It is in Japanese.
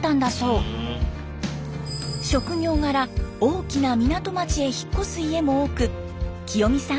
職業柄大きな港町へ引っ越す家も多くキヨミさん